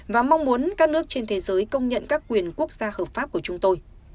và mong muốn các nước trên thế giới công nhận các quyền quốc gia hợp pháp của chúng tôi